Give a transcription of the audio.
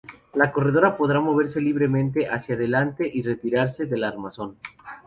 La corredera podrá moverse libremente hacia adelante y retirarse del armazón.